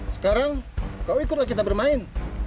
sekarang kau ikutlah kita bermain